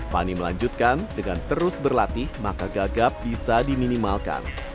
fani melanjutkan dengan terus berlatih maka gagap bisa diminimalkan